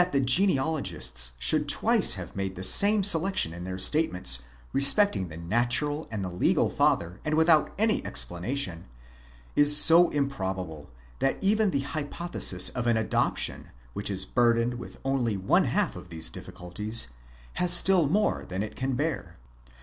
115 the genealogists should twice have made the same selection in their statements respecting the natural and the legal father, and without any explanation,—is so improbable, that even the hypothesis of an adoption, which is burdened with only one half of these difficulties, has still more than it can bear.